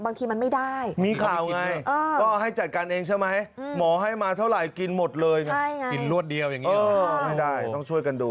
บางทีมันไม่ได้มีข่าวไงเออเอาให้จัดการเอง